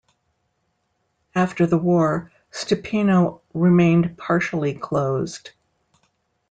After the war, Stupino remained partially closed.